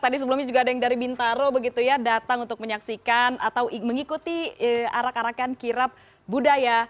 tadi sebelumnya juga ada yang dari bintaro begitu ya datang untuk menyaksikan atau mengikuti arak arakan kirap budaya